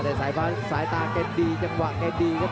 แต่สายฟ้าสายตาแกดีจังหวะแกดีครับ